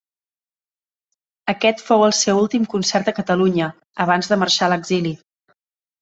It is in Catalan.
Aquest fou el seu últim concert a Catalunya, abans de marxar a l'exili.